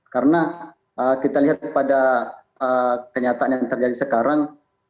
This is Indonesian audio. karena kita lihat pada kenyataan yang terjadi sekarang